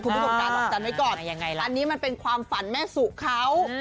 คุณผู้ชมการดอกจันทร์ไว้ก่อนอันนี้มันเป็นความฝันแม่สุเขา